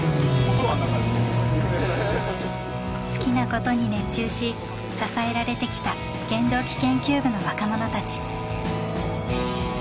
好きなことに熱中し支えられてきた原動機研究部の若者たち。